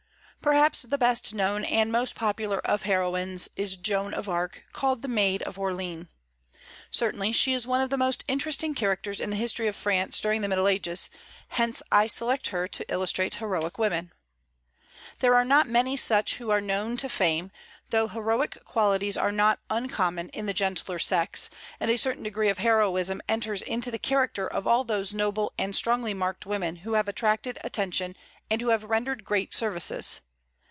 Perhaps the best known and most popular of heroines is Joan of Arc, called the Maid of Orleans. Certainly she is one of the most interesting characters in the history of France during the Middle Ages; hence I select her to illustrate heroic women. There are not many such who are known to fame; though heroic qualities are not uncommon in the gentler sex, and a certain degree of heroism enters into the character of all those noble and strongly marked women who have attracted attention and who have rendered great services.